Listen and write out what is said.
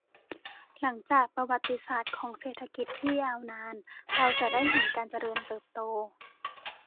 หลังจากประวัติศาสตร์ของเศรษฐกิจที่ยาวนาน เราจะได้เห็นการเจริญเติบโต